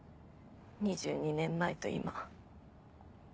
２２年前と今。